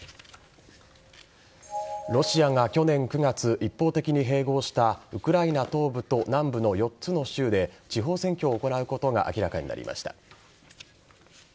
ロシアが去年９月一方的に併合したウクライナ東部と南部の４つの州で地方選挙を行うことが明らかになりました。